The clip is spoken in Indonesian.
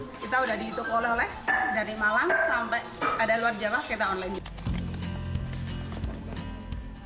ini ditukar oleh dari malang sampai ada luar jawa kita online